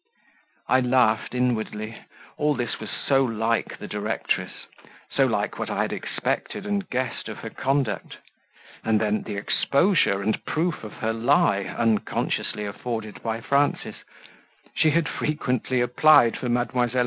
I laughed inwardly; all this was so like the directress so like what I had expected and guessed of her conduct; and then the exposure and proof of her lie, unconsciously afforded by Frances: "She had frequently applied for Mdlle.